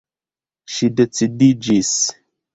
Ŝi decidiĝis.